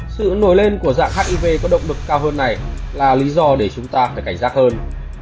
sự nổi lên của dạng hiv có động lực cao hơn này là lý do để chúng ta phải cảnh giác hơn